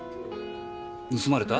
盗まれた？